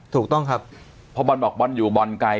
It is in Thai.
ถูกต้องครับเพราะบอลบอกบอลอยู่บอลไกล